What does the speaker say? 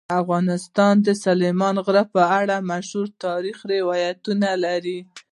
افغانستان د سلیمان غر په اړه مشهور تاریخی روایتونه لري.